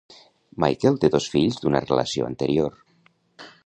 Michael té dos fills d'una relació anterior.